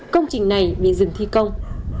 công trình này bị dừng thi công